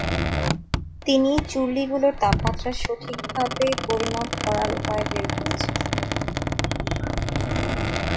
তিনি চুল্লীগুলির তাপমাত্রা সঠিকভাবে পরিমাপ করার উপায় বের করেছিলেন।